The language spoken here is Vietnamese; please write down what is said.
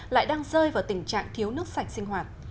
lại đang rơi vào tình trạng thiếu nước sạch sinh hoạt